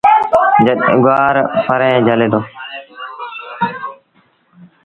جڏهيݩ گُوآر ڦريٚݩ جھلي دو۔